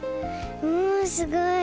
うんすごい。